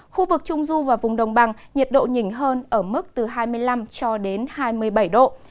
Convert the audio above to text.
khu vực trung du và vùng đồng bằng nhiệt độ nhỉnh hơn ở mức từ hai mươi năm cho đến hai mươi bảy độ